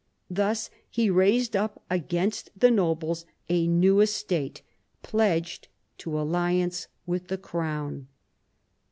Thus he raised up against the nobles a new estate pledged to alliance with the crown.